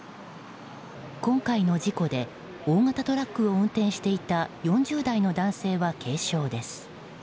今回の事故で大型トラックを運転していた４０代の男性は軽傷です。